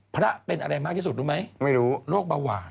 พระเป็นอะไรมากที่สุดรู้ไหมไม่รู้โรคเบาหวาน